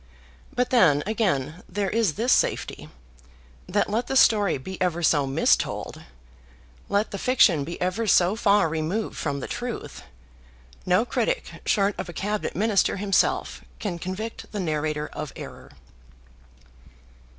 But then, again, there is this safety, that let the story be ever so mistold, let the fiction be ever so far removed from the truth, no critic short of a Cabinet Minister himself can convict the narrator of error.